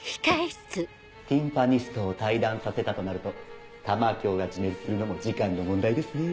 ティンパニストを退団させたとなると玉響が自滅するのも時間の問題ですね。